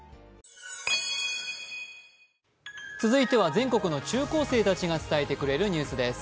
全国の中高生たちが伝えてくれるニュースです。